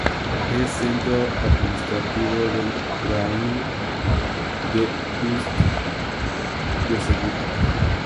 Es centro administrativo del raión de Ust-Dzhegutá.